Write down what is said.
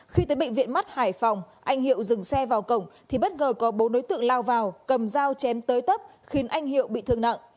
khi tới bệnh viện mắt hải phòng anh hiệu dừng xe vào cổng thì bất ngờ có bốn đối tượng lao vào cầm dao chém tới tấp khiến anh hiệu bị thương nặng